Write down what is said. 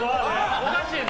おかしいぞ。